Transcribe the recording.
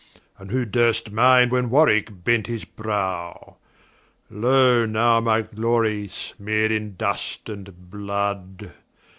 And who durst smile, when Warwicke bent his Brow? Loe, now my Glory smear'd in dust and blood.